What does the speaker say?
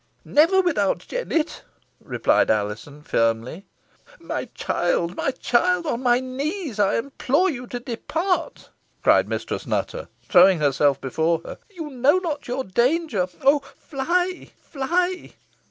"Never, without Jennet," replied Alizon, firmly. "My child my child on my knees I implore you to depart," cried Mistress Nutter, throwing herself before her "You know not your danger oh, fly fly!"